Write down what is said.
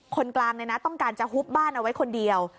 คนกลางต้องการจะหุบบ้านเอาไว้คนเดียว